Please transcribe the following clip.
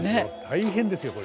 大変ですよこれ。